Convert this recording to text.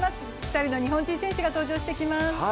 ２人の日本人選手が登場してきます